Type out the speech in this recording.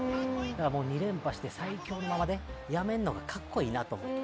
だから２連覇で最強のままでやめるのが格好いいなと。